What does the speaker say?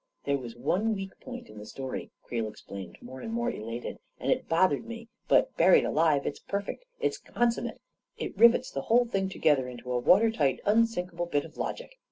" There was one weak point in die story," Creel explained, more and more elated, " and it bothered me. But buried alive ! It's perfect — it's consum mate! It rivets the whole thing together into a water tight, unsinkable bit of logic